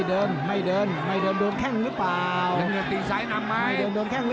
เหลี่ยมมันสำคัญน่ะ